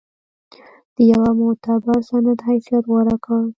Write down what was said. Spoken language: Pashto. د یوه معتبر سند حیثیت غوره کړ.